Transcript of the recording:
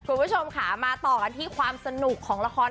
คุณผู้ชมค่ะมาต่อกันที่ความสนุกของละคร